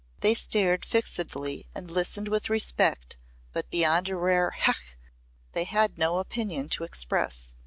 They stared fixedly and listened with respect but beyond a rare "Hech!" they had no opinion to express.